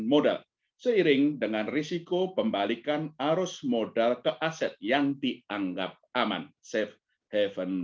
modal seiring dengan risiko pembalikan arus modal ke aset yang dianggap aman safe haven